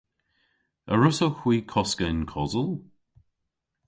A wrussowgh hwi koska yn kosel?